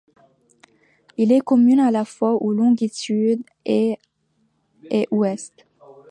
Il est commun à la fois aux longitudes est et ouest.